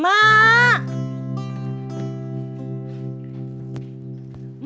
ma ada ada aja deh